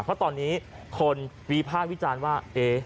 เพราะตอนนี้คนวิพากษ์วิจารณ์ว่า